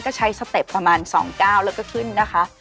ก็ใช้สเต็ปประมาณ๒ก้าวแล้วก็ขึ้นนะคะ